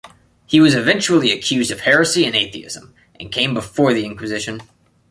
He was eventually accused of heresy and atheism, and came before the Inquisition.